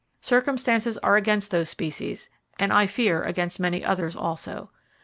Circumstances are against those species,—and I fear against many others also.